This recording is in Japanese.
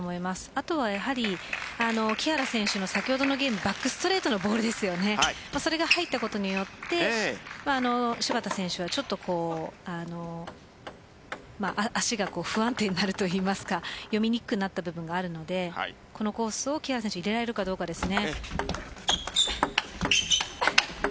あとは木原選手の先ほどのゲームバックストレートのボールそれが入ったことによって芝田選手は足が不安定になるといいますか読みにくくなった部分があるのでこのコースを木原選手入れられるかどうかです。